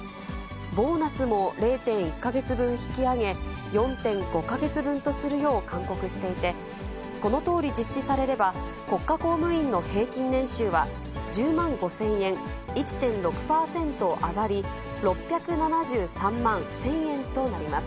ボーナスも０．１か月分引き上げ、４．５か月分とするよう勧告していて、このとおり実施されれば、国家公務員の平均年収は１０万５０００円、１．６％上がり、６７３万１０００円となります。